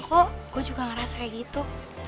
kok gue juga ngerasanya gitu